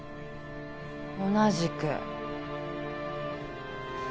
同じく。